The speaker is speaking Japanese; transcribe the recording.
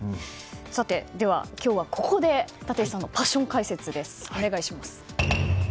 さて、では今日はここで立石さんのパッション解説です。